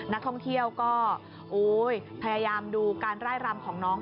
นักท่องเที่ยวก็พยายามดูการไล่รำของน้อง